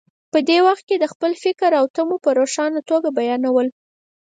په دې وخت کې د خپل فکر او تمو په روښانه توګه بیانول.